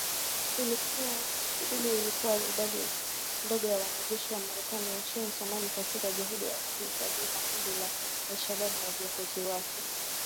Ili kuwa na idadi ndogo ya wanajeshi wa Marekani nchini Somalia, katika juhudi za kulilenga vyema kundi la al-Shabaab na viongozi wake